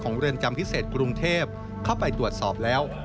เรือนจำพิเศษกรุงเทพเข้าไปตรวจสอบแล้ว